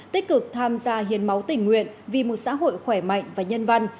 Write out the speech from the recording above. tích cực tham gia hiến máu tình nguyện vì một xã hội khỏe mạnh và nhân văn